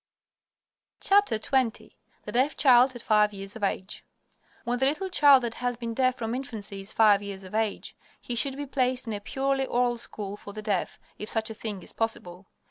XX THE DEAF CHILD AT FIVE YEARS OF AGE When the little child that has been deaf from infancy is five years of age, he should be placed in a purely oral school for the deaf, if such a thing is possible.